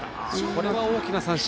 これは大きな三振。